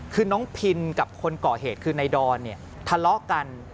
คือน้องพินกับคนก่อเหตุคือนายดอนเนี่ยทะเลาะกัน